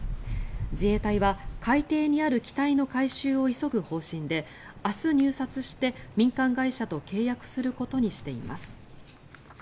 自衛隊は海底にある機体の回収を急ぐ方針で明日入札して、民間会社と契約することにしています。